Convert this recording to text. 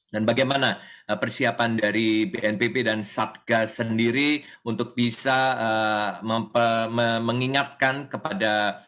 dan bagaimana persiapan dari bnpb dan satgas sendiri untuk bisa mengingatkan kepada